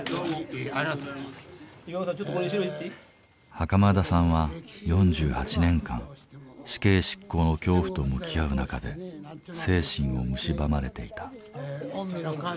袴田さんは４８年間死刑執行の恐怖と向き合う中で精神をむしばまれていた。